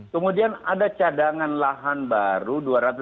kemudian ada cadangan lahan baru